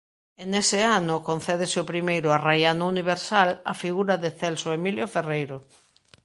E nese ano concédese o primeiro Arraiano Universal á figura de Celso Emilio Ferreiro.